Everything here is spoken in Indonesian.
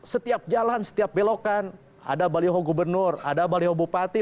setiap jalan setiap belokan ada baliho gubernur ada baliho bupati